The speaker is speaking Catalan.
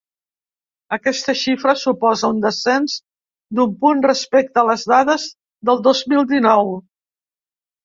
Aquesta xifra suposa un descens d’u punt respecte les dades del dos mil dinou.